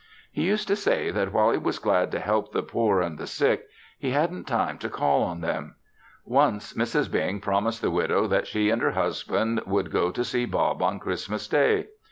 He used to say that while he was glad to help the poor and the sick, he hadn't time to call on them. Once, Mrs. Bing promised the widow that she and her husband would go to see Bob on Christmas Day.